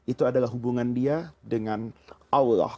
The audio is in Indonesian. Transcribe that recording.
itu adalah hubungan dia dengan allah